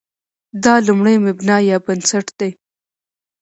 دا لومړی مبنا یا بنسټ دی.